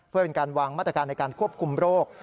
เพื่อเป็นการวางมาตรการในการควบคุมโรค